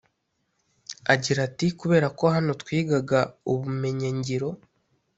Agira ati “Kubera ko hano twigaga ubumenyingiro